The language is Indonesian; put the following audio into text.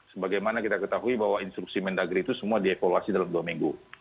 sebagaimana kita ketahui bahwa instruksi mendagri itu semua dievaluasi dalam dua minggu